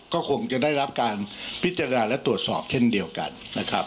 ก็คงจะได้รับการพิจารณาและตรวจสอบเช่นเดียวกันนะครับ